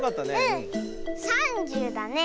３０だね。